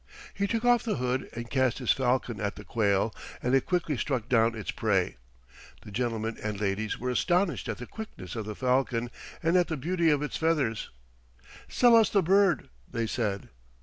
He took off the hood and cast his falcon at the quail, and it quickly struck down its prey. The gentlemen and ladies were astonished at the quickness of the falcon and at the beauty of its feathers. "Sell us the bird," they said.